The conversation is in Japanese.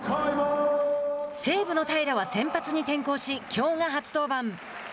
西武の平良は先発に転向しきょうが初登板。